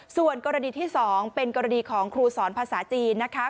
ส่วนกรณีที่๒เป็นกรณีของครูสอนภาษาจีนนะคะ